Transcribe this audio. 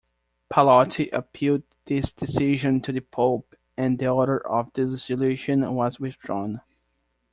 Pallotti appealed this decision to the Pope and the order of dissolution was withdrawn.